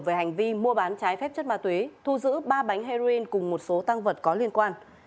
về hành vi mua bán trái phép chất ma túy thu giữ ba bánh heroin cùng một số tăng vật có liên quan